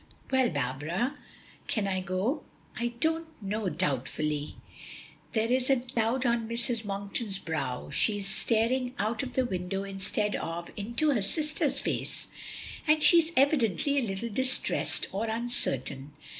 "Well, Barbara, can I go?" "I don't know" doubtfully. There is a cloud on Mrs. Monkton's brow, she is staring out of the window instead of into her sister's face, and she is evidently a little distressed or uncertain.